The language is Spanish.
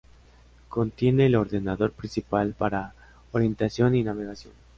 Contiene el ordenador principal para orientación y navegación.